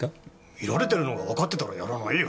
見られてるのがわかってたらやらないよ。